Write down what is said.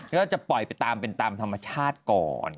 ก็จะปล่อยไปตามเป็นตามธรรมชาติก่อน